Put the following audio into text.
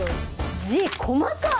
字細かっ！